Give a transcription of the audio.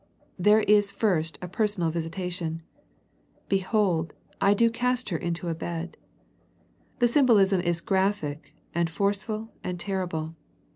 There is first a personal visitation. " Be hold, I do cast her into a bed." The symbo lism is graphic and forceful and terrible.